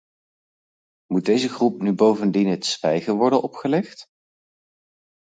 Moet deze groep nu bovendien het zwijgen worden opgelegd?